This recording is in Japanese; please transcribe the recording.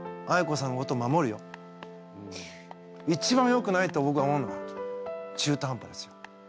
一番よくないと僕は思うのは中途半端ですよ。